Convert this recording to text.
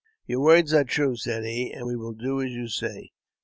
" Your words are true," said he, '* and we will do as yoi say."